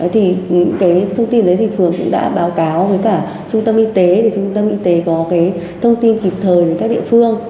thì những cái thông tin đấy thì phường cũng đã báo cáo với cả trung tâm y tế để trung tâm y tế có cái thông tin kịp thời đến các địa phương